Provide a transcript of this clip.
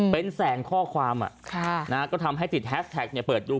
เป็นแสงข้อความอ่ะนะฮะก็ทำให้สิทธิ์แฮสแท็กเนี่ยเปิดดู